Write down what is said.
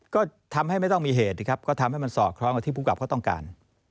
ก็ทำให้ไม่ต้องมีเหตุสิครับก็ทำให้มันสอดคล้องกับที่ภูมิกับเขาต้องการ